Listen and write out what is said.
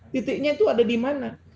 titiknya itu ada di mana